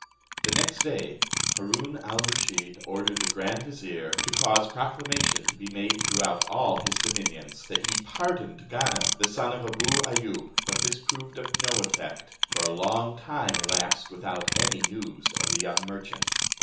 The next day Haroon al Rusheed ordered the grand vizier, to cause proclamation to be made throughout all his dominions, that he pardoned Ganem the son of Abou Ayoub; but this proved of no effect, for a long time elapsed without any news of the young merchant.